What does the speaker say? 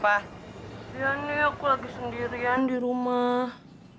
dia nih aku lagi sendirian di rumah